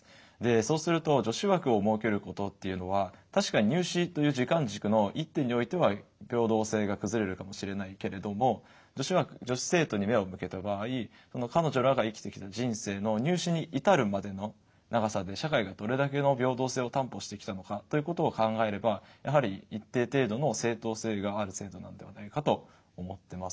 そうすると女子枠を設けることというのは確かに入試という時間軸の一点においては平等性が崩れるかもしれないけれども女子枠女子生徒に目を向けた場合彼女らが生きてきた人生の入試に至るまでの長さで社会がどれだけの平等性を担保してきたのかということを考えればやはり一定程度の正当性がある制度なんではないかと思ってます。